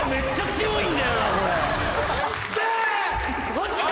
マジか！？